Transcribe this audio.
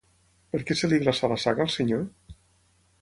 Per què se li glaçà la sang al senyor?